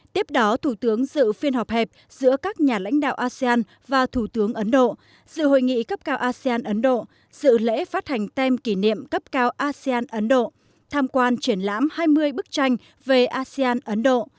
tiếp đó thủ tướng dự phiên họp hẹp giữa các nhà lãnh đạo asean và thủ tướng ấn độ dự hội nghị cấp cao asean ấn độ dự lễ phát hành tem kỷ niệm cấp cao asean ấn độ tham quan triển lãm hai mươi bức tranh về asean ấn độ